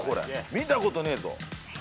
見たことねえぞ。